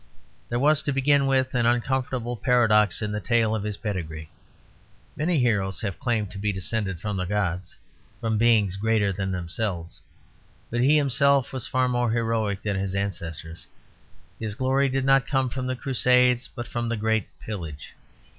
There was, to begin with, an uncomfortable paradox in the tale of his pedigree. Many heroes have claimed to be descended from the gods, from beings greater than themselves; but he himself was far more heroic than his ancestors. His glory did not come from the Crusades but from the Great Pillage.